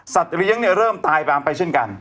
สัตว์เลี้ยงเริ่มตายไปอำไปเช่นกัน